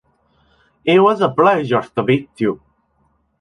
It was a pleasure to meet you